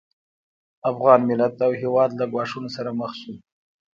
افغان ملت او هېواد له ګواښونو سره مخ شو